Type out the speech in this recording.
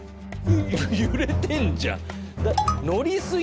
揺れてんじゃん。